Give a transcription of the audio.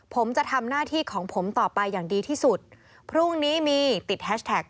ผมจะทำหน้าที่ของผมต่อไปอย่างดีที่สุดพรุ่งนี้มีติดแฮชแท็ก